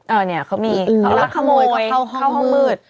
เออเนี่ยเขามีแล้วขโมยเข้าห้องมืด